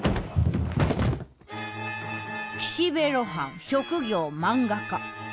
岸辺露伴職業漫画家。